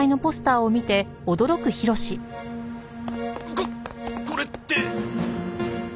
ここれって。